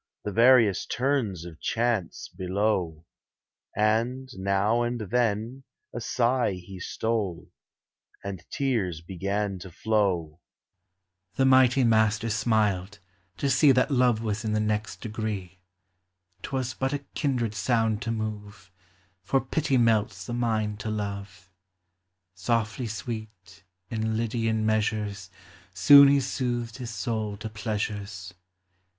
The various turns of chance below ; And, now and then, a sigh he stole / And tears began to flow The mighty master smiled, to see That love was in the next degree ; 'T was but a kindred sound to move, For pity melts the mind to love. Softly sweet, in Lydian measures, Soon lie soothed his soul to pleasures.